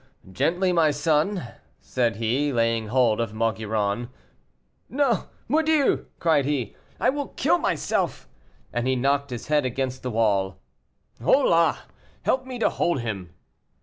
"Gently, my son," said he, laying hold of Maugiron. "No! mordieu!" cried he, "I will kill myself!" and he knocked his head against the wall. "Hola! help me to hold him."